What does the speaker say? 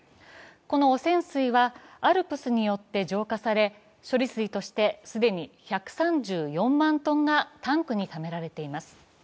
この汚染水は、ＡＬＰＳによって浄化され処理水として既に１３４万トンがタンクにためられています。